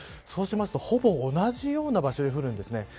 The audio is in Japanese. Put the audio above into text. そうすると、ほぼ同じような場所で降るんですね。